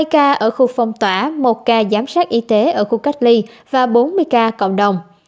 hai ca ở khu phong tỏa một ca giám sát y tế ở khu cách ly và bốn mươi ca cộng đồng